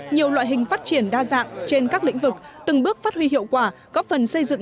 nhiều loại hình phát triển đa dạng trên các lĩnh vực từng bước phát huy hiệu quả góp phần xây dựng